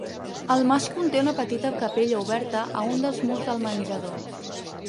El Mas conté una petita capella oberta a un dels murs del menjador.